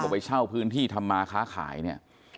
ไปเช่าพื้นที่ทำมาค้าขายเนี่ย